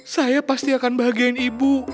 saya pasti akan bahagiain ibu